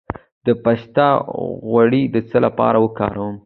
د پسته غوړي د څه لپاره وکاروم؟